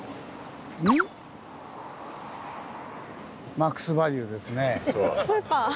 マックスバリュですね。